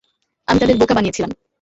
আমি তাদের বোকা বানিয়েছিলাম।